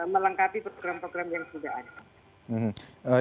melengkapi program program yang sudah ada